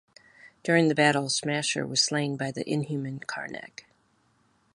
During the battle, Smasher was slain by the Inhuman Karnak.